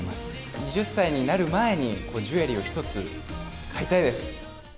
２０歳になる前に、ジュエリーを一つ買いたいです。